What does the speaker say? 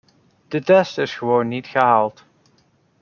De test is gewoon niet gehaald.